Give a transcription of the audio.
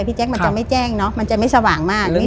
แจ๊คมันจะไม่แจ้งเนาะมันจะไม่สว่างมาก